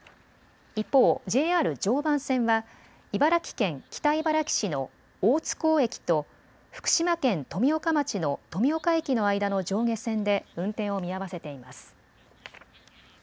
一方、ＪＲ常磐線は茨城県北茨城市の大津港駅と福島県富岡町の富岡駅の間の上下線で運転を見合わせています。